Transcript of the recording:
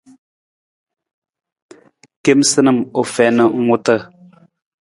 Kemasanam u fiin ng wuta.